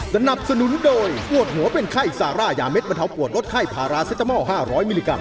สนับสนุนโดยปวดหัวเป็นไข้ซาร่ายาเด็ดบรรเทาปวดลดไข้พาราเซตามอล๕๐๐มิลลิกรั